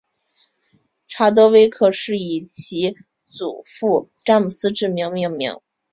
查德威克是以其祖父詹姆斯之名命名。